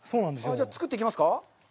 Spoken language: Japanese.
じゃあ、作っていきますか？